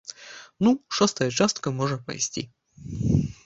Ну, шостая частка можа пайсці.